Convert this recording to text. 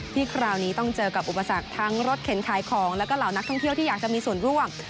คราวนี้ต้องเจอกับอุปสรรคทั้งรถเข็นขายของแล้วก็เหล่านักท่องเที่ยวที่อยากจะมีส่วนร่วม